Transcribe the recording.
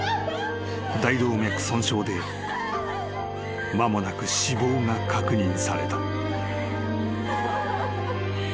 ［大動脈損傷で間もなく死亡が確認された］